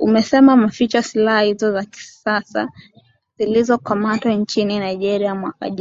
umesema maficho silaha hizo za kisasa zilizo kamatwa nchini nigeria mwaka jana